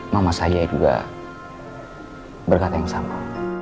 mama saya juga berkata yang sama